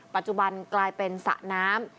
ปัจจุบันกลายเป็นสะน้ำ